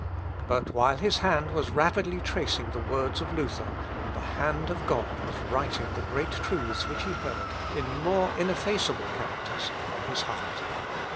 But while his hand was rapidly tracing the words of Luther, the hand of God was writing the great truths which he heard in more ineffaceable characters on his heart.